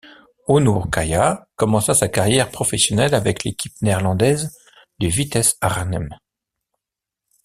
Onür Kaya commença sa carrière professionnelle avec l'équipe néerlandaise du Vitesse Arnhem.